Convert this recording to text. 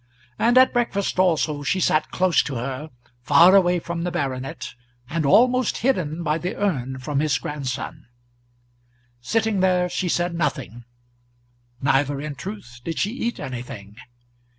And at breakfast also she sat close to her, far away from the baronet, and almost hidden by the urn from his grandson. Sitting there she said nothing; neither in truth did she eat anything.